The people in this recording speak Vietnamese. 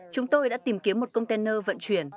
chúng tôi đã tìm kiếm một container vận chuyển